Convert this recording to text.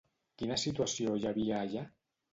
Quina situació hi havia allà?